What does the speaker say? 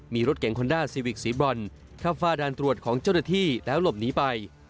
มีรถเก่งคอนด้าซีวิกสีบรอนเข้าฝ้าด่านตรวจของเจ้าหน้าที่แล้วหลบหนีไป